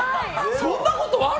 そんなことある？